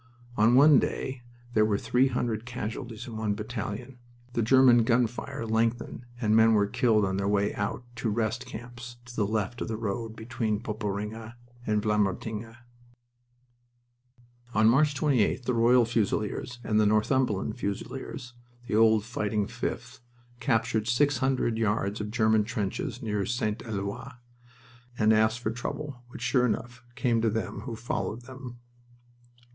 On one day there were three hundred casualties in one battalion The German gun fire lengthened, and men were killed on their way out to "rest" camps to the left of the road between Poperinghe and Vlamertinghe. On March 28th the Royal Fusiliers and the Northumberland Fusiliers the old Fighting Fifth captured six hundred yards of German trenches near St. Eloi and asked for trouble, which, sure enough, came to them who followed them.